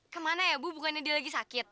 kemana ya bu bukannya dia lagi sakit